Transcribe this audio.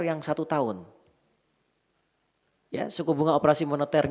yang satu tahun itu jadi kita bisa menurunkan kembali ke slur tapi di baeo ini